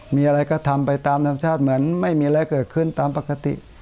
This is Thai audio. มีอะไรก็ทำไปตามธรรมชาติเหมือนไม่มีอะไรเกิดขึ้นตามปกติ